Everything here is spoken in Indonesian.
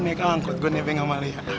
kan gue disini naik angkut gue nepe sama lia